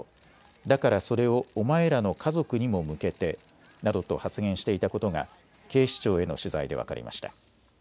だからそれをお前らの家族にも向けてなどと発言していたことが警視庁への取材で分かりました。